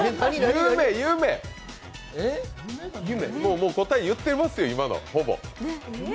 もう答え言ってますよ、ほぼ。